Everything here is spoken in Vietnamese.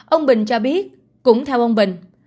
ông bình cho biết cũng theo ông bình